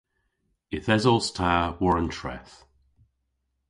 Yth esos ta war an treth.